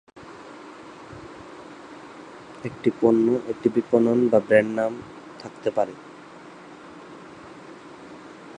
একটি পণ্য একটি বিপণন বা ব্র্যান্ড নাম থাকতে পারে।